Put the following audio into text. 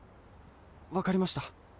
わかりました。